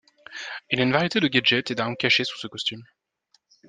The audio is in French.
Il a une variété de gadgets et d'armes cachés sous ce costume.